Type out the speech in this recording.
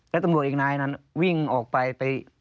แล้วตำรวจอีกนายนั้นวิ่งออกไปไป